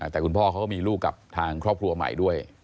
แต่คุณพ่อเขาก็มีลูกกับทางครอบครัวใหม่ด้วย